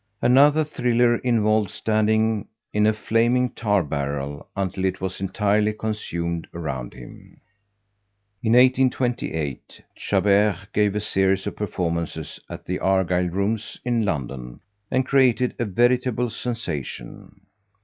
Another thriller involved standing in a flaming tar barrel until it was entirely consumed around him. In 1828, Chabert gave a series of performances at the Argyle Rooms in London, and created a veritable sensation.